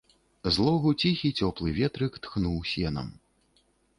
З логу ціхі, цёплы ветрык тхнуў сенам.